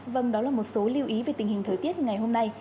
vâng đó là một số lưu ý về tình hình thời tiết ngày hôm nay